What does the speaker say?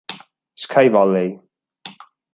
Sky Valley